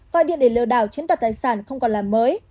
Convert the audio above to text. gọi điện để lừa đảo chiếm đoạt tài sản không còn là mới